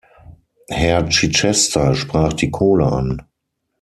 Herr Chichester sprach die Kohle an.